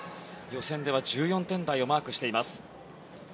予選では１４点台をマークしています。